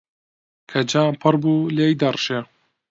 کە جام پڕ بوو، لێی دەڕژێ.